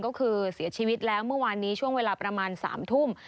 ก็คือเสียชีวิตแล้วเมื่อวานนี้ช่วงเวลาประมาณ๓ทุ่ม